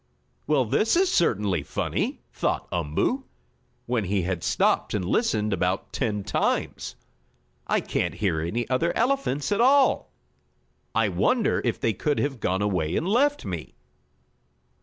"Well, this is certainly funny!" thought Umboo, when he had stopped and listened about ten times. "I can't hear any other elephants at all. I wonder if they could have gone away and left me?"